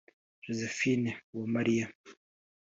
Josephine Uwamariya